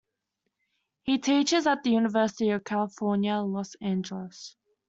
He teaches at the University of California, Los Angeles.